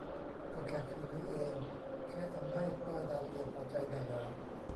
ก็แค่คืนนี้เอง แค่ทำให้ป้าดาเลียพอใจน่ะหรอ